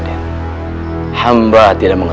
ini usaha makhluk agama